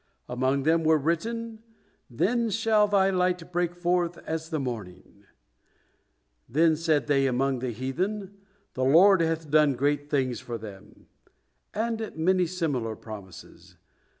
Among them were written: "Then shall thy light break forth as the morning"; "Then said they among the heathen. 'The Lord hath done great things for them,'" and many similar promises.